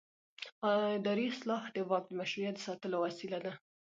اداري اصلاح د واک د مشروعیت د ساتلو وسیله ده